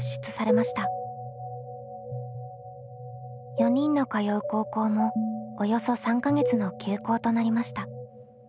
４人の通う高校もおよそ３か月の休校となりました。